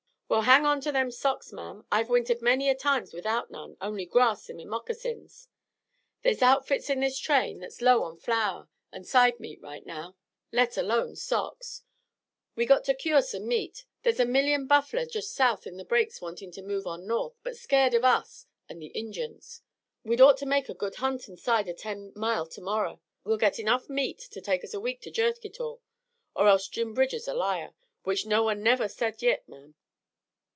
"Well, hang on to them socks, ma'am. I've wintered many a time without none only grass in my moccasins. There's outfits in this train that's low on flour an' side meat right now, let alone socks. We got to cure some meat. There's a million buffler just south in the breaks wantin' to move on north, but scared of us an' the Injuns. We'd orto make a good hunt inside o' ten mile to morrer. We'll git enough meat to take us a week to jerk hit all, or else Jim Bridger's a liar which no one never has said yit, ma'am."